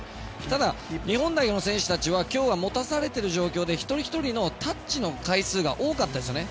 ただ、日本代表の選手たちは今日は持たされている状況で一人ひとりのタッチの回数が多かったですよね。